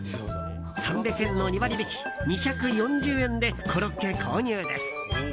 ３００円の２割引き２４０円でコロッケ購入です。